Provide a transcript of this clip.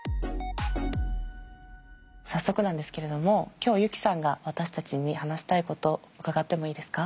早速なんですけれども今日ユキさんが私たちに話したいこと伺ってもいいですか？